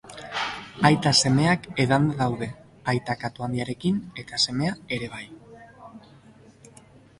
Aita-semeak edanda daude: aita katu handiarekin eta semea ere bai.